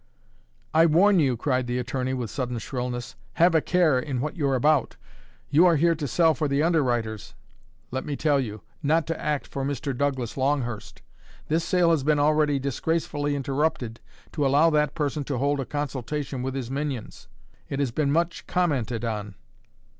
"I warn you," cried the attorney, with sudden shrillness. "Have a care what you're about. You are here to sell for the underwriters, let me tell you not to act for Mr. Douglas Longhurst. This sale has been already disgracefully interrupted to allow that person to hold a consultation with his minions. It has been much commented on."